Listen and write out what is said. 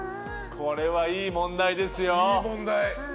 これはいい問題ですよ。